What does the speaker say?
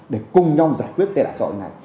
để cùng nhau giải quyết tệ nạn xã hội này